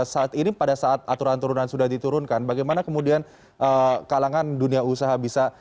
saat ini pada saat aturan turunan sudah diturunkan bagaimana kemudian kalangan dunia usaha bisa